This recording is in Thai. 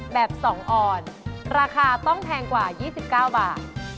แบบ๒ออนราคาต้องแพงกว่า๒๙บาท